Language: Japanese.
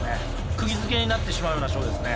くぎづけになってしまうようなショーですね。